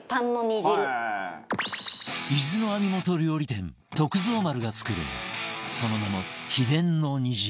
伊豆の網元料理店徳造丸が作るその名も秘伝の煮汁